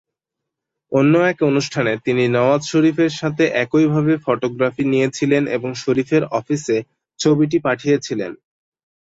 অন্য এক অনুষ্ঠানে তিনি নওয়াজ শরীফের সাথে একইভাবে ফটোগ্রাফি নিয়েছিলেন এবং শরীফের অফিসে ছবিটি পাঠিয়েছিলেন।